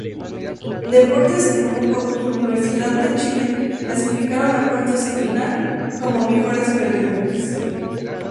Deportes Temuco y Universidad de Chile clasificaron a cuartos de final como mejores perdedores.